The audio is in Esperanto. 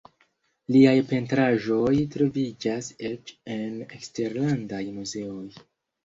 Liaj pentraĵoj troviĝas eĉ en eksterlandaj muzeoj.